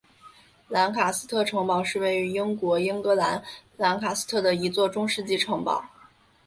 兰卡斯特城堡是位于英国英格兰兰卡斯特的一座中世纪城堡。